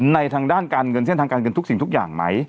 ทางด้านการเงินเส้นทางการเงินทุกสิ่งทุกอย่างไหม